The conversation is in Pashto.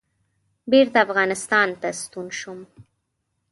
بېرته افغانستان ته ستون شوم.